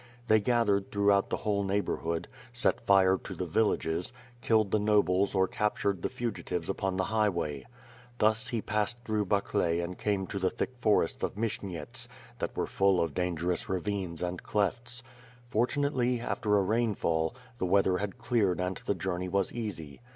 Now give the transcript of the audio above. They gathered throughout the whole neighborhood, set fire to the villages, killed the nobles or captured the fugi tives upon the highway. Thus, he passed through Baklay and came into the thick forests of Msh3miets, that were full of dangerous ravines and clefts. Fortunately, after a rainfall, the weather had cleared and the journey was easy.